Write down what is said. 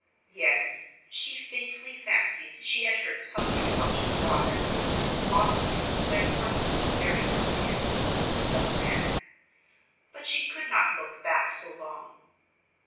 Yes; she faintly fancied she had heard something about her father and an officer who had once been very good to him when he was a young man. But she could not look back so long.